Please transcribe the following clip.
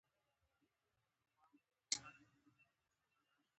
وروسته په هماغه حویلی کې د خپل ټولګیوال شېمن پوښتنه ته ورغلم.